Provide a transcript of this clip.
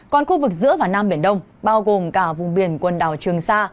còn khu vực giữa và nam biển đông bao gồm cả vùng biển quần đảo trường sa